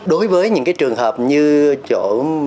đối với những trường hợp như chỗ